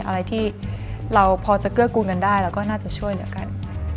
อะไรที่เราพอจะเกื้อกูลกันได้เราก็น่าจะช่วยเหลือกัน